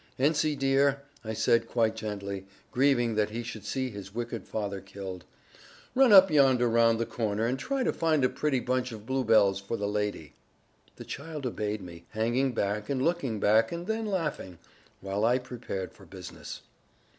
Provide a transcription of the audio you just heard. "Ensie dear," I said quite gently, grieving that he should see his wicked father killed, "run up yonder round the corner, and try to find a pretty bunch of bluebells for the lady." The child obeyed me, hanging back, and looking back, and then laughing, while I prepared for business.